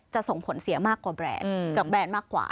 ส่งผลเสียมากกว่าแบรนด์กับแบรนด์มากกว่า